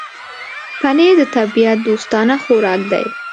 پنېر د طبيعت دوستانه خوراک دی.